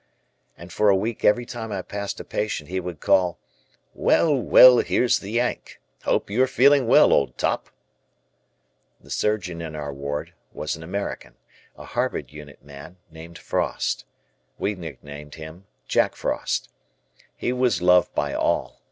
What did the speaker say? And for a week every time I passed a patient he would call, "Well, well, here's the Yank. Hope you are feeling well, old top." The surgeon in our ward was an American, a Harvard Unit man, named Frost. We nicknamed him "Jack Frost." He was loved by all.